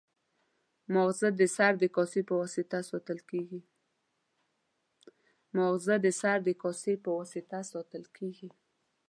ماغزه د سر د کاسې په واسطه ساتل کېږي.